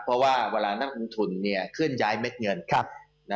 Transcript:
เพราะว่าเวลานักลงทุนเคลื่อนย้ายเม็ดเงิน